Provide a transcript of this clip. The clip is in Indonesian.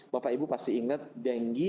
bapak ibu pasti ingat dengi